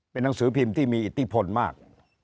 เป็นหนังสือพิมพ์ที่มีอิทธิพลมาก